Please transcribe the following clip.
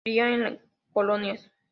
Cría en colonias.